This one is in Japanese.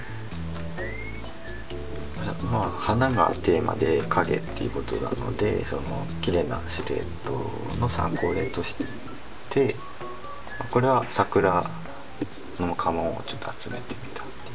まあ花がテーマで影っていうことなのできれいなシルエットの参考例としてこれは桜の家紋をちょっと集めてみたっていう感じで。